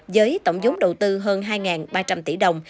với tổng giống đầu tư hơn hai ba trăm linh tỷ đồng